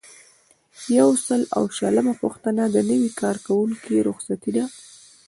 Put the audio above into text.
یو سل او شلمه پوښتنه د نوي کارکوونکي رخصتي ده.